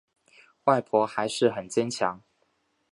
外婆还是很坚强